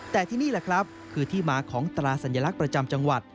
แต่ที่นี่แหละครับคือที่มาของตราสัญลักษณ์ประจำจังหวัด